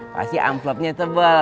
pasti amplopnya tebal